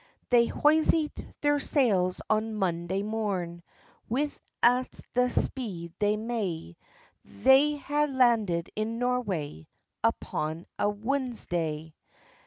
They hoysed their sails on Monenday morn, Wi' a' the speed they may; They hae landed in Noroway, Upon a Wodensday.